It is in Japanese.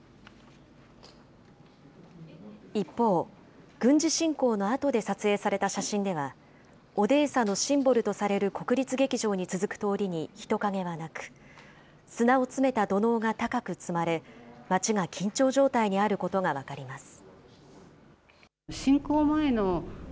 一方、軍事侵攻のあとで撮影された写真では、オデーサのシンボルとされる国立劇場に続く通りに人影はなく、砂を詰めた土のうが高く積まれ、町が緊張状態にあることが分かります。